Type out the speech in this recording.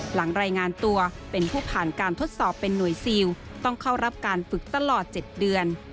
รายงานตัวเป็นผู้ผ่านการทดสอบเป็นหน่วยซิลต้องเข้ารับการฝึกตลอด๗เดือน